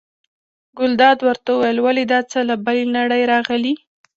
ګلداد ورته وویل: ولې دا څه له بلې نړۍ راغلي.